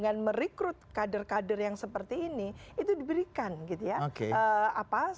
dan merekrut kader kader yang seperti ini itu diberikan gitu ya